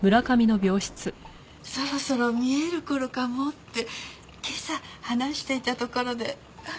そろそろ見える頃かもって今朝話していたところで。